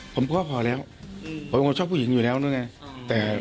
ผมก็พอแล้วผมชอบผู้หญิงอยู่แล้วนึงไง